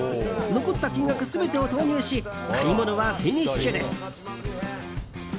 残った金額、全てを投入し買い物はフィニッシュです。